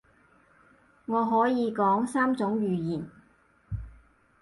我可以講三種語言